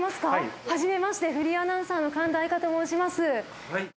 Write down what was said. はじめましてフリーアナウンサーの神田愛花と申します。